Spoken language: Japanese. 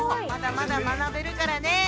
まだまだ学べるからね！